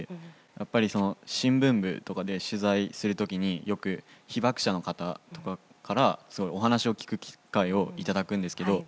やっぱり新聞部とかで取材する時によく被爆者の方からお話を聞く機会を頂くんですけど。